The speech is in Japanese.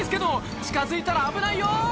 近づいたら危ないよ！